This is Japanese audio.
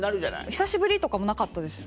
「久しぶり」とかもなかったです